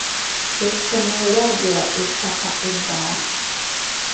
Essomero lyagula ettaka eddala.